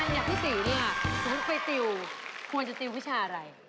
คุณอันอย่างพี่ตีเนี่ยคุณไปติวควรจะติวพิชาอะไร